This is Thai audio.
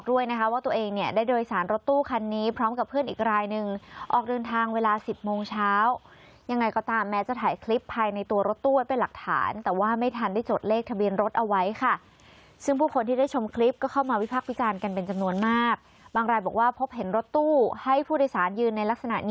ด้วยนะคะว่าตัวเองเนี่ยได้โดยสารรถตู้คันนี้พร้อมกับเพื่อนอีกรายหนึ่งออกเดินทางเวลาสิบโมงเช้ายังไงก็ตามแม้จะถ่ายคลิปภายในตัวรถตู้ไว้เป็นหลักฐานแต่ว่าไม่ทันได้จดเลขทะเบียนรถเอาไว้ค่ะซึ่งผู้คนที่ได้ชมคลิปก็เข้ามาวิพักษ์วิจารณ์กันเป็นจำนวนมากบางรายบอกว่าพบเห็นรถตู้ให้ผู้โดยสารยืนในลักษณะ